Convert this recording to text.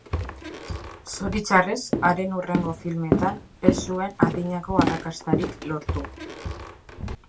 Zoritxarrez, haren hurrengo filmetan ez zuen adinako arrakastarik lortu.